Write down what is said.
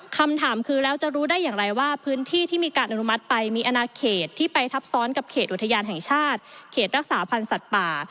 คำถามคือแล้วจะรู้ได้อย่างไรว่าพื้นที่ที่มีการอนุมัติไปมีอนาเขตที่ไปทับซ้อนกับเขตอุทยานแห่งชาติเขตรักษาพันธ์สัตว์ป่า